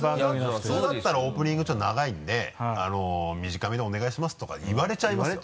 普通だったら「オープニングちょっと長いんで短めでお願いします」とか言われちゃいますよ。